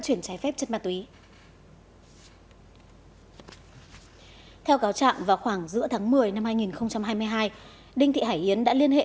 thuyết chất ma túy theo cáo chạm vào khoảng giữa tháng một mươi năm hai nghìn hai mươi hai đinh thị hải yến đã liên hệ